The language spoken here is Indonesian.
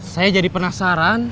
saya jadi penasaran